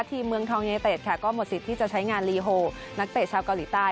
เมืองทองยูเนเต็ดค่ะก็หมดสิทธิ์ที่จะใช้งานลีโฮนักเตะชาวเกาหลีใต้